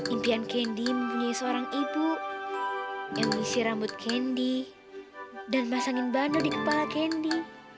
impian candy mempunyai seorang ibu yang mengisi rambut candy dan pasangin bando di kepala candy